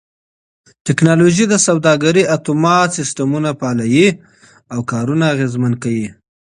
ټکنالوژي د سوداګرۍ اتومات سيستمونه فعالوي او کارونه اغېزمن کوي.